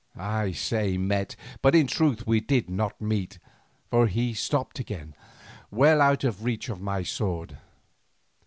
I say met, but in truth we did not meet, for he stopped again, well out of reach of my sword.